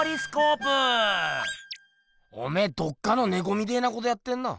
おめえどっかのねこみてえなことやってんな。